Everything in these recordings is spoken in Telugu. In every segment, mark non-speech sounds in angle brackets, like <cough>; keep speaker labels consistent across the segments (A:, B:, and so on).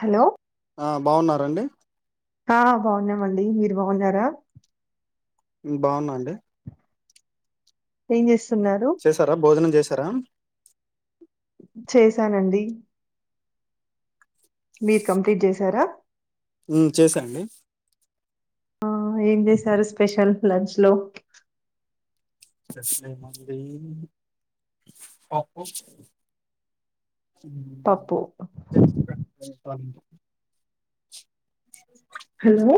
A: హలో
B: బావున్నారండి
A: ఆ బావున్నామండి మీరు బావున్నారా
B: బావున్నా అండి
A: ఏం చేసు
B: చేసారా భోజనం చేస తారా
A: చేశానండి మీరు కంప్లీట్ చేసారా
B: ఉం చేసా అండి
A: ఆ ఏం చేశారు స్పెషల్ లంచ్ లో
B: చేశ్నమండి పప్పు
A: పప్పు
B: <inaudible> అం <unintelligible>
A: హలో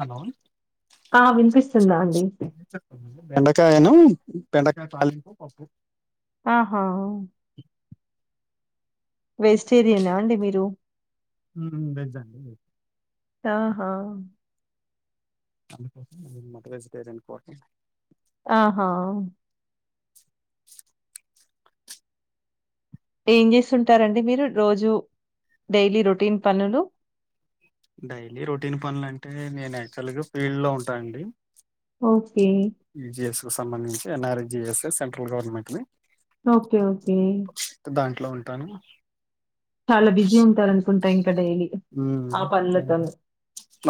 B: హలో
A: ఆ వినిపిస్తుందా అండి
B: బెండకాయను బెండకాయ తాలింపు పప్పు
A: ఆహా వెజిటేరియనా అండి మీరు
B: ఉమ్ వెజ్ అండి
A: ఆహా
B: <unintelligible> మాది వెజిటేరియన్ పార్టీ
A: ఆహా
B: <inaudible>
A: ఏం చేస్తుంటారండి మీరు రోజు డైలీ రొటీన్ పనులు
B: డైలీ రొటీన్ పనులంటే నేను యాక్చువల్ గా ఫీల్డ్ లో ఉంటా అండి
A: ఓకే
B: ఈజిఎస్ సంబంధించి N R. N. G. S. S. Central government ని
A: ఓకే ఓకే
B: ట్లో ఉంటాను
A: చాలా బిజీ ఉంటారు అనుకుంటా ఇం
B: ఉహ్ అవును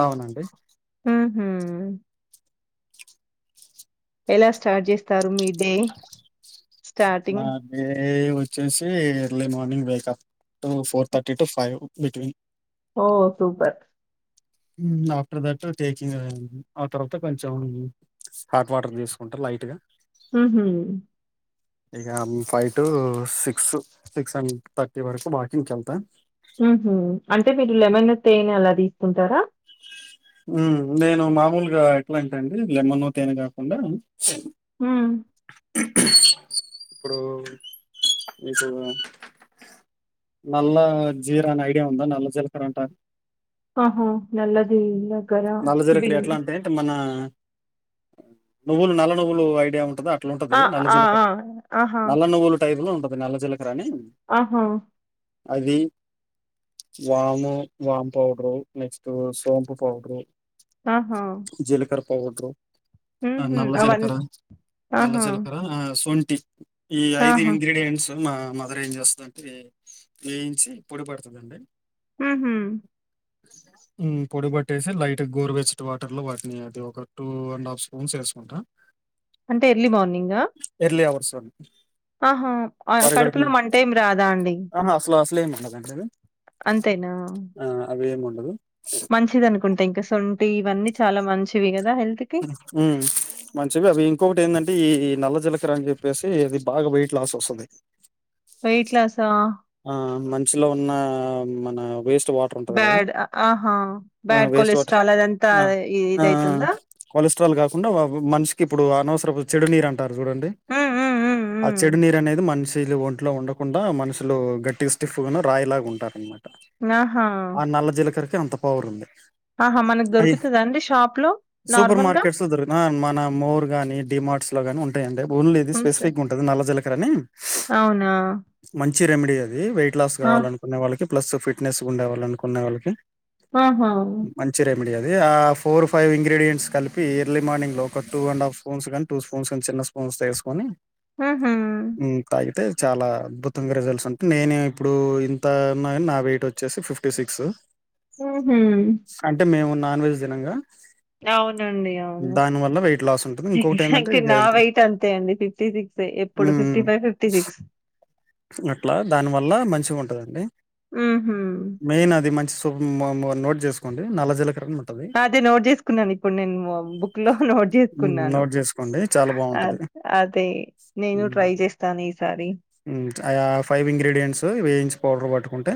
B: అవునండి
A: ఉహ్ ఎలా స్టార్ట్ చేస్తారు మీ డే
B: నా
A: స్టార్టింగ్
B: వే వచ్చేసి early morning wake up four thirty to five between
A: ఓ సూపర్
B: ఆఫ్టర్ దట్ టేకింగ్ ఆ తర్వాత కొంచెం హాట్ వాటర్ తీసుకుంటా లైట్ గా
A: మ్ హూ
B: ఇక five to six six and thirty వరకు వాకింగ్కెళ్తా
A: ఊహూ అంటే మీరు లెమన్ తేనె అలా తీసుకుంటారా
B: మ్ నేను మామూలుగా ఎట్లంటే అండి లెమన్ తేనె కాకుండా
A: మ్
B: ఇప్పుడు మీకు నల్ల జీర అని ఐడియా ఉందా నల్ల జిలకరంటారు
A: ఆహా నల్లది ఇగా
B: నల్ల జీరకరీ ఎట్లా అంటేటే మన నువ్వులు నల్ల నువ్వులు ఐడియా ఉంటదా ట్లూంటది
A: ఆ!
B: నల్ల
A: ఆ!
B: జీలకార్
A: ఆ! ఆహా!
B: నల్ల నువ్వులు టైప్ లో ఉంటద్ నల్ల జీలక్
A: ఆహా
B: అది వాము, వామ్ పౌడరు, నెక్స్ట్ సోంపు పౌడరు
A: ఆహా
B: పోడ్రూ ఆ
A: హుహు.
B: నల్ల
A: అవన్
B: జీలకర్ర నల్ల
A: ఆహా!
B: జీలకర్ర ఆ సోన్ ఈ ఐదు
A: ఆహా!
B: ఇంగ్రీడియంట్స్ మా మదర్ ఏం చేస్తధంటే వేయించి పొడి పడుతదండి
A: ఉహ్ హు
B: ఉహ్ పొడిబట్టేసి లైట్ ట్ గోరువెచ్చట్ వాటర్ లో వాటిని అది ఒక టూ అండ్ హాఫ్ స్పూన్స్ వేసుకుంటా.
A: అంటే ఎర్లీ మార్నింగ్ గా
B: ఎర్లీ అవర్స్
A: ఆహా కడుపులో
B: పరిగడుపున
A: మంటెం రాదా అండి.
B: ట్లెంమ్ ఉండదండి
A: అంతేనా
B: డదు
A: మంచిది అనుకుంటా. ఇంక్ సొంటి ఇవన్నీ చాలా మంచివి కాద్
B: ఉహ్మ్ మంచివి అవి ఇంకొటి ఏందాంటే ఈ నల్ల జ్ జీలకర్ర అని చెప్పేసి ఇది బాగా వెయిట్ లాస్ వస్తది.
A: వెయిట్ లాసా
B: ఆ మంచ్ లో ఉన్న మన వెస్ట్
A: బ్యాడ్ ఆహా
B: ఆ!
A: బ్యాడ్
B: వేస్ట్ వాటర్
A: కొలెస్ట్రాల్ అద అంతా
B: ఆ! ఆ! ఆ!
A: ఇదయితుందా.
B: కొలెస్ట్రాల్ కాకుండా. మనిషికిప్పుడు అనవసరం చెడునీరు అంట్ టారూ చూడండి.
A: హ్మ్. హ్మ్. హ్మ్.
B: ఆ
A: హ్మ్.
B: చెడు నీరు అనేది మనిషిక్ ఇది ఒంట్లో ఉండకుండా మనష్ షీలు గట్టిగా స్టిఫ్గా రాయిలాగా ఉంటారన్నమాట
A: ఆహా
B: కి అంత పవర్ ఉంది.
A: ఆహా! మనకు
B: అయి
A: దొరుకుతదా అండి షాప్‌లో
B: సూపర్
A: నార్మల్‌గా?
B: మార్కెట్స్, దొరుగ్ మన మోర్ గాని, డిమార్ట్స్. గానీ ఉంటాయండి. ఓన్ లేది
A: ఉంట
B: స్పెసిఫక్ ఉుంది నల్ జ కరణీం
A: అవునా
B: చి రేమిడియల్ ది వెయిట్ లాస్
A: ఆ!
B: కావాల అనుకునే వాళ్ళకి ప్లస్ ఫిట్నెస్ ఉండేవళ్ళ అనుకునే వాళ్ళకి
A: ఆహా
B: మెడిఅది ఆ ఫోర్ ఫైవ్ ఇంగ్రీడియంట్స్ కలిపి ఎర్లీ మార్నింగ్ లో ఒక టూ అండ్ హాఫ్ స్పూన్స్ గానీ టూ స్పూన్స్ కానీ చిన్న స్పూన్స్ తో వేసుకొని
A: హు హుమ్
B: ఉమ్, తాగితే చాలా అధ్బ తమైన రిజల్ట్స్ ఉంటది నేను ఇప్పుడు ఇంత ఉన్నా గాని నావెయిట్ వచ్చేసి ఫిఫ్టీ సిక్స్
A: ఉహు
B: అంటే మేము నాన్ వెజ్ తినంగా
A: అవునండి అవును
B: దాని వల్ల వెయిట్ లాస్ ఉంటుంది ఇంకొకటి ఏంటంటే
A: ఎక్సెక్టలి
B: ఇక
A: నా
B: హెల్త్
A: వెయిట్ అంతే అండి ఫిఫ్టీ సిక్స్ ఎప్పుడు
B: um,
A: fifty five fifty six
B: అట్లా దానివల్ల మంచి ఉంటుందండి
A: హుహు.
B: మెయిన్ అది మంచి నోట్ చేసుకోండి నల్లజ
A: అది నోట్ చేసుకున్నాను ఇప్పుడు నేను బుక్ లో నోట్ చేసుకున్నాను
B: నోట్ చేసుకోండి చాలా బాగుంటుంది
A: అదే నేను ట్రై చేస్తాను ఈసారి
B: అ ఫైవ్ ఇంగ్రీడియంట్స్ వేయించి పౌడర్ పట్టుకుంటే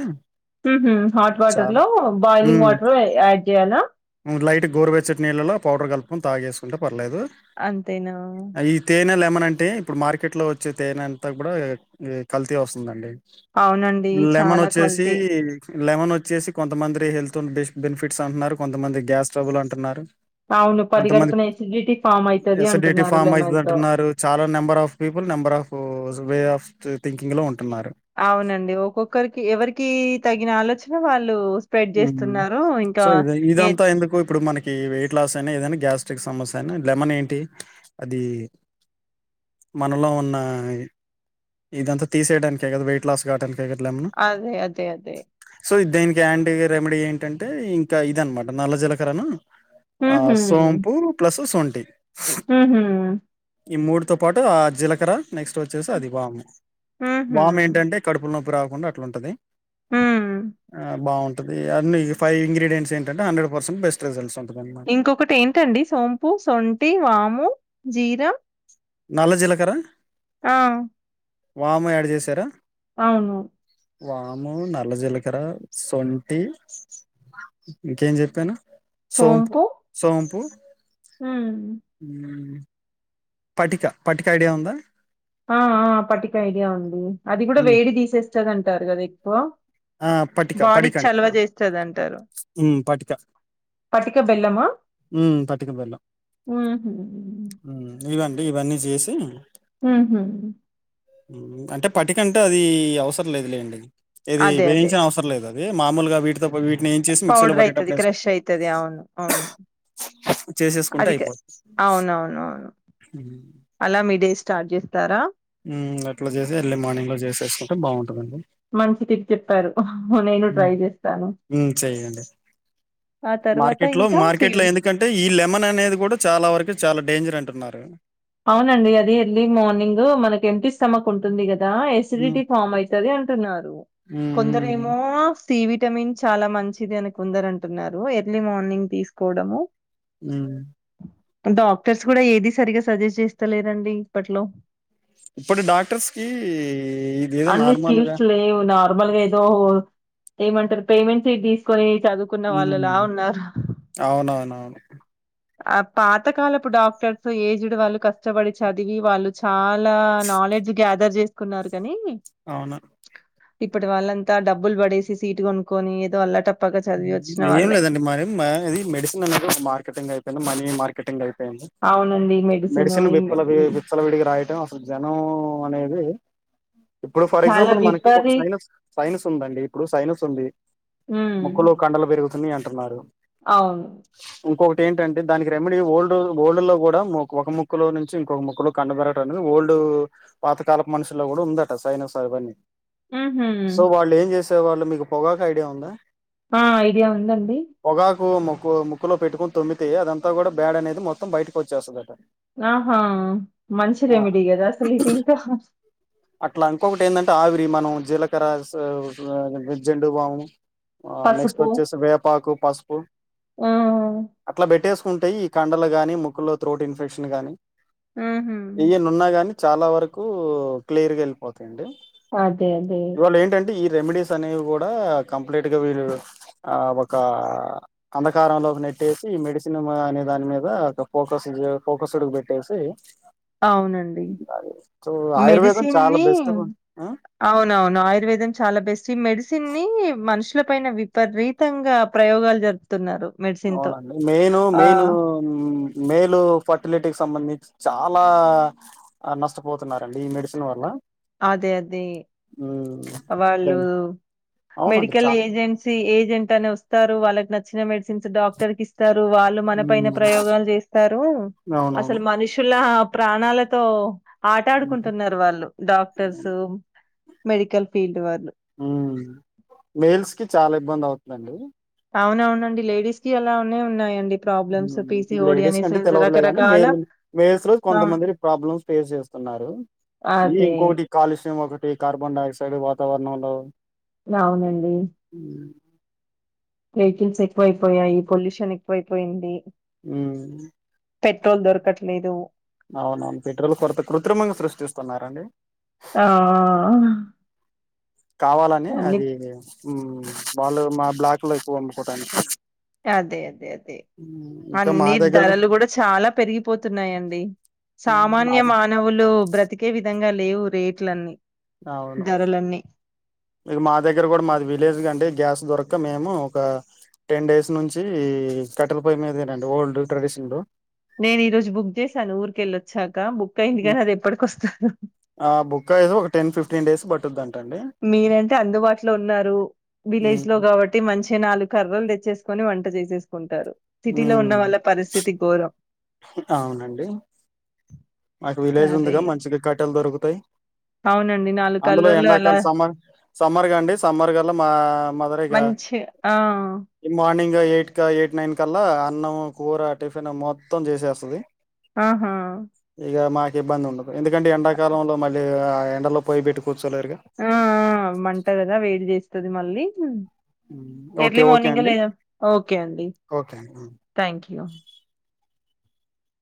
A: హాట్ వాటర్
B: చాలు
A: లో బాయిలింగ్
B: హ్మ్
A: వాటర్ యాడ్ చేయాలా
B: లైట్ గోరువెచ్చటి నీళ్ల లో పౌడర్ కలుపు కోవాలి తాగేసుకుంటే ప లేదు
A: అంతేనా
B: ఈ తేనె లెమన్ అంటే ఇప్పుడు మార్కెట్ లో వచ్చే తేనంతా కూడా కల్తీ వస్తుందండి
A: అవునండి
B: లెమన్
A: చాలా
B: వచ్చేసి
A: కల్తీ
B: లెమన్ వచ్చేసి కొంతమంది హెల్త్ బెనిఫిట్స్ అంటున్నారు కొంతమంది గ్యాస్ స్ట్రబుల్ అంటున్నారు
A: అవును
B: కొంతమంది
A: పరిగడుపున ఎసిడిటీ ఫామ్ అయితది
B: ఎస్డిటి
A: అంటున్నారు
B: ఫామ్
A: లెమన్ తో
B: అయితుందిఅంటున్నారు చాలా number of people number of way of త థింకింగ్ లోఉంటది
A: అవునండి ఒక్కొక్కరికి ఎవరికి తగిన ఆలోచ చన వాళ్ళు స్ప్రెడ్ చేస్తున్నారు ఇంకా
B: సో ఇది
A: ఏ
B: ఇదంతా ఎందుకు ఇప్పుడు మనకి వెయిట్ లాస్ అయినా ఏదైనా గ్యాస్ సమస్య అయినా లెమన్ ఏంటి అది మనలో ఉన్న ఇది అంత తీసివేయడానికే కదా వెయిట్ లాస్ కాటానికి
A: అదే అదే అదే
B: స దనికి అండి <inaudible> రెమెడీ ఏంటంటే ఇంకా ఇద అనమాట నల్ల జీలకర్రను ఆ
A: ఉహు
B: సోంపూ ప్లస్ సోంట టి
A: ఉహు
B: ఈ మూడు తో పాటు ఆ జీలకర నెక్స్ట్ వచ్చేసి అది వాము
A: ఉహు
B: వాము ఏంటంటే కడుపు ప్పు రావకుండా అట్లుంటది
A: ఉ
B: ఆ బాగుంటు అన్ని ఫైవ్ ఇంగ్రీడియంట్స్ ఏంటంటే హండ్రెడ్ పర్సెట్ బెస్ట్ రిజల్ట్స్ ఉ
A: ఇంకొకటి ఏంటండి సోంపు సొంటి వాము జీరా
B: నల్ల జీలకర్ర
A: ఆ
B: వాము యాడ్ చేశారా
A: అవును
B: వాము నల్ల జీలకర సొంటి ఇంకేం చెప్పాను సోంపు సోంపు
A: ఉమ్
B: ఉమ్... పటిక పటిక ఐడియా ఉందా
A: ఆ ఆ పటిక ఐడియా ఉంది అది కూడా
B: ఉమ్,
A: వేడి తీసేస్త పచ్చగంటారు కదా ఎక్కువ
B: ఆ పటిక పటికా
A: బాడీకి
B: అంట
A: చలవ చేస్తదంటారు
B: పటికా
A: పటిక బెల్లమా
B: పటిక బెల్లం
A: ఉహు
B: ఇం ఇవన్నీ చేసి
A: ఉహూ
B: అంటే పటికంటే అది అవసరం లేదు లేండి ఇది
A: అదే అదే
B: వేయించిన అవసరం లేదు ఇది మామూలుగా వీటితో పా వీటిని ఏం చేసి మిక్సీలో
A: పౌడర్ అవుతుంది
B: పట్టేటప్పుడు వేసు
A: క్రెష్ అయితుంది అవును అవును
B: చేసేసుకుంటే
A: అది
B: అయిపోతుంది
A: అవునవునవును అలా మీ డే స్టార్ట్ చేస్తారా
B: ఉమ్ అట్లా చేసి ఎర్లీ మార్నింగ్ లో చేసేసుకుంటే బాగుంటుంది
A: మంచి టిప్ చెప్పారు నేను ట్రై చేస్తాను
B: ఉమ్ చెయ్యండి
A: ఆ తర్వాత
B: మార్కెట్ లో
A: ఇంకా
B: మార్కెట్ లో
A: ఫీల్డ్
B: ఎందుకంటే ఈ లెమన్ అనేది కూడా చాలా వరకు చాలా డేంజర్ అంటున్నారు
A: అవునండి అది ఎర్లీ మార్నింగ్ మనకి ఎంప్టీ స్టమక్ ఉంటుంది కదా
B: ఉమ్
A: ఎసిడిటీ ఫామ్ అయితుది అంటున్నారు
B: ఉమ్
A: కొందర
B: ఉమ్
A: ఏమో సి విటమిన్ చాలా మంచిది అని కొందరూ అంటున్నారు ఎర్లీ మార్నింగ్ తీసుకోవడము
B: ఉమ్
A: డాక్టర్స్ కూడా ఏది సరిగ్గా సజెస్ట్ చేస్తాలేరండి ఇప్పట్లో
B: ఇప్పటి డాక్టర్స్ కి ఇది ఏదో నార్మల్గా
A: నార్మల్ గా ఏదో ఏమంటారు పేమెంట్ తీసుకొని చదువుకున్న వాళ్ళులా
B: హ్మ్
A: ఉన్నారు
B: అవునవునవును.
A: ఆ పాతకాలపు డాక్టర్స్ ఏజ్ వాళ్ళు కష్టపడి చదివి వాళ్ళు చాలా నాలెడ్జ్ గ్యాదర్ చేస్త కున్నారు కాని
B: అవును.
A: ఇప్పటి వాళ్ళంతా డబ్బులు పడేసి సీటు కొనుక్కొని ఏదో అల్లట
B: ఏం లేదండి మరి ఇది మెడిసిన్ అనేది మార్కెటింగ్ అయిపోయింది మనీ మార్కె కటింగ్ అయిపోయింది
A: అవునండి
B: మెడిసిన్
A: ఈ
B: విప్పల
A: మెడ్
B: విచ్చల విడిగి రాయడంం అసలు జనం అనే అ ఇప్పుడు ఫర్
A: చాలా
B: ఎగ్జాంపుల్ మనకి ఒక
A: విపరీత
B: సైనస్ సైనస్ ఉందండి ఇప్పుడు సైనస్ ఉంది ముకులు కండలు పెరుగు అని అంటున్నారు
A: అవును
B: ఇంకొకటి ఏంటంటే దానికి రెమెడీ ఓల్డ్ ఓల్డ్ లో కూడా ఒక ముక్కలో నుంచి ఇంకొక ముక్క్కలో కండబెరటం అది ఓల్డ్ పాతకాలపు మనుషులో కూడా ఉందట సైైనస్ ఆవన్నీ
A: ఆ హ
B: వాళ్మీకు పొగాక ఐడియా ఉందా
A: ఆ ఐడియా ఉందండి
B: ముక్కుక్ ముక్కులో పెటుకుొని తుమ్మితే అది అంతా కూడా బ్యాడ్ అనేది మొత్తం బయటకి వచ్చేస్తుందిట
A: ఆహా మంచి రెమిడి కదా అసలు ఇది ఇంకా
B: అట్లా ఇంకొకటి ఏంటంటే ఆవిరి మనం జీలకర జండు బామ్ ఆ నెక్స్ట్
A: పసుపు
B: వచ్చేసి వేపాకు పసుపు
A: ఆ
B: అట్లా పెట్టే ఉంటాయి ఈ కండలు గాని ముక్క్కల్లో త్రోట్ ఇన్ఫెక్షన్ గాని
A: ఆ హ
B: ఏయన్ని ఉన్నా గాని చాలా వరకు క్లియర్గా వెళిపోతాయి అండి
A: అదే అదే
B: ఇవాళ ఏంటంటే ఈ రెమెడీస్ అనేవి కూడా కంప్లీట్ గా వీళ్ళు ఆ ఒక అంధకారంలోకి నెట్టేసి ఈ మెడిసిన్ అనే దాని మీద ఒక ఫోకస్ ఫోకస్డ్ పెట్టేసి
A: అవునండి
B: అది సో
A: మెడిసి
B: ఆయుర్వేదం చాలా బెస్ట్గా ఆ
A: అవునవును ఆయుర్వేదం చాలా బెస్ట్ మెడిసిన్ని మనుషుల పైన విపరీతంగా ప్రయోగాలు జరుపుతున్నారు మెడిసిన్ తో
B: అవునండి మెయిన్
A: ఆ
B: మెయిన్ మెయిలు ఫర్టిలిటీకి సంబంధించి చాలా నష్టపోతున్నారండి ఈ మెడిసిన్ వల్ల
A: అదే అదే
B: ఉమ్
A: వాళ్ళు
B: దన్ అవునండి
A: మెడికల్
B: చా
A: ఏజెన్సీ ఏ అనే వస్తారు వాళ్ళకి నచ్చిన మెడిసిన్స్ డాక్టర్ క ఇస్త వాళ్ళు మన
B: ఉమ్
A: పైన ప్రయోగాలు చేస్తారు
B: అవునవును
A: అసలు మనుషుల ప్రాణాలతో ఆట ఆడుకుంటున్నారు వాళ్ళు డాక్టర్స్ మెడికల్ ఫీల్డ్ వాళ్ళు.
B: మెల్స్కి చాల ఇబ్బంది అవుతుందండి
A: అవునవునండి లేడీస్ కి అలా ఉన్నాయండి ప్రాబ్లమ్స్. పీసీఓడి
B: లేడీస్ కంటే
A: అనేసేసి
B: తెలివదులేగానీ
A: రకరకాల
B: మేల్ మేల్స్ లో
A: ఆ!
B: కొంతమంది ప్రాబ్లమ్స్ ఫేస్ చేస్తున్నారు ఈ
A: అదే.
B: ఇంకొకటి కాలుష్యం ఒకటి కార్బన్ డైయాక్సైడ్ వాతావరణంలో
A: అవునండి
B: ఉమ్
A: వెహికల్స్ ఎక్కువయిపోయాయి పొల్యూషన్ ఎక్కువ అయిపోయింది
B: అ
A: పెట్రోల్ దొరకట్లేదు
B: అవునవును పెట్రోల్ కొరత కృత్రిమంగా సృష్టిస్తున్నారంండి
A: ఆ!
B: కావాలని
A: అన్ని
B: అది వాళ్ళు మా బ్లాక్ లో ఎక్కువ వమ్ముకోవటానికి
A: అదే అదే అదే
B: ఇంకా మా
A: అన్ని
B: దగ్గర గు-
A: ధరలు కూడా చాలా పెరిగిపోతున్నాయంండి
B: ఉమ్,
A: సామాన్య
B: మాది
A: మానవులు బ్రతికే విధంగా లేవు రేట్లన్నీ
B: అవును
A: ధరలన్నీ
B: మీ మా దగ్గర కూడా మాది విలేజ్గా అండి గ్యాస్ దొరక మేము ఒక టెన్ డేస్ నుంచి కట్టెల పయ మీదేనండి ఓల్డ్ ట్రెడిషన్లు
A: నేను ఈ రోజు బుక్ చేసాను ఊరికెళ్ళొచ్చాక బుక్ అయింది కానీ అది ఎప్పటికొస్తారు
B: ఆ బుక్ అయది ఒక టెన్ ఫిఫ్టీన్ డేస్ బట్ రాని
A: మీరంటే అందుబాటులో ఉన్నారు విలేజ్ లో కాబట్టి మంచిగా నాలుగు కర్రలు తెచ్చేసుకుని వంట చేసి చేసుకుంటారు సిటీలో ఉన్న వాళ్ళ పరిస్థితి ఘరం
B: అవునండి మాకు విలేజ్ ఉందిగా మంచిగా కట్టెలు దొరుకుతాయి
A: అవునండి నాలుగు
B: అందులో
A: కర్రలు అలా
B: ఎండాకలు సమ్మర్గా అండి సమ్మర్ గల్లా మా మదరిగా
A: మంచి ఆ
B: ఈ మార్నింగ్ ఇంకా ఎయిట్ క ఎయిట్ నైన్ కలా అన్నం కూర టిఫిన్ మొత్తం చేసేస్తుంది
A: ఆహా
B: ఇక మాకి ఇబ్బంది ఉండదు ఎందుకంటే ఎండాకాలంలో మళ్ళీ ఎండలో పోయి పెట్టు
A: ఆ ఆ మంటగదా వేడి చేసి స్తది మళ్ళీ
B: um, okay
A: early
B: okay
A: morning
B: అండి
A: లేదా ఓకే అండి
B: ఓకే అండి
A: థ్యాంక్ యూ